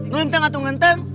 ngenteng atuh ngenteng